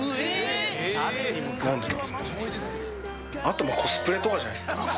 あとまあコスプレとかじゃないですか。